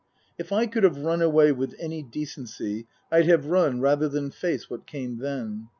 If I could have run away with any decency I'd have run rather than face what came then.